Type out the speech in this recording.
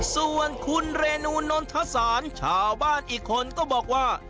ส่วนคุณเรนูนนทศาลชาวบ้านอีกคนก็บอกว่า